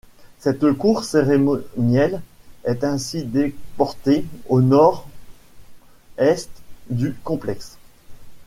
Cette cour cérémonielle est ainsi déportée au nord est du complexe.